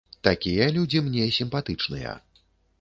Такія людзі мне сімпатычныя.